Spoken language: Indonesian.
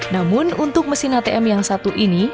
namun untuk mesin atm yang satu ini